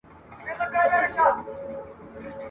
په خوله سپینه فرشته سي په زړه تور لکه ابلیس وي !.